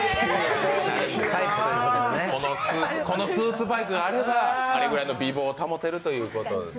このスーツバイクがあれば、あれくらいの美貌を保てるということです。